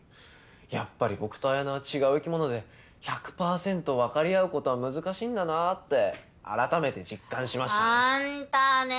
やっぱり僕と綾菜は違う生き物で１００％分かり合うことは難しいんだなあってあらためて実感しましたね。